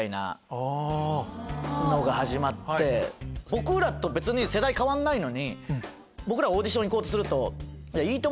僕らと別に世代変わんないのに僕らオーディション行こうとすると。